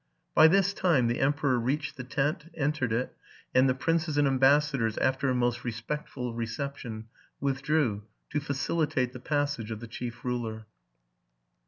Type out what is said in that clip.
By this time the emperor reached the tent, entered it; and the princes and ambassadors, after a most respectful reception, withdrew, to facilitate the passage of the chief ruler.